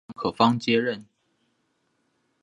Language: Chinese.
后由杨可芳接任。